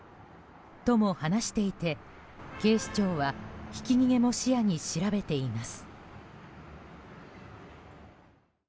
とも話していて警視庁はひき逃げも視野に調べています。